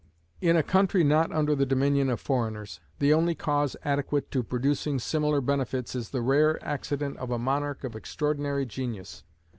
In a country not under the dominion of foreigners, the only cause adequate to producing similar benefits is the rare accident of a monarch of extraordinary genius.